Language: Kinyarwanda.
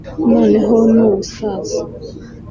Noneho nubusaza